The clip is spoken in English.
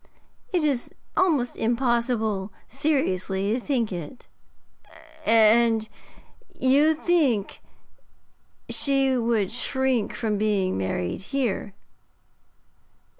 'It is almost impossible seriously to think it.' 'And you think she would shrink from being married here?'